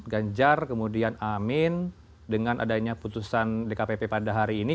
ganjar kemudian amin dengan adanya putusan dkpp pada hari ini